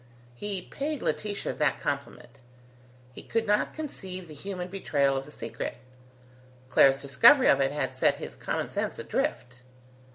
He paid Laetitia that compliment. He could not conceive the human betrayal of the secret. Clara's discovery of it had set his common sense adrift.